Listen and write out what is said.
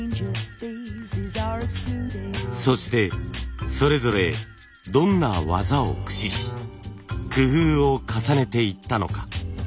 そしてそれぞれどんな技を駆使し工夫を重ねていったのか。